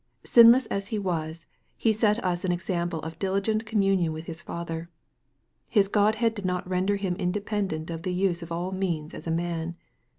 Sinless as He was, He set us an example of diligent communion with His Father. His Godhead did not render Him independent of the use of all means as a man.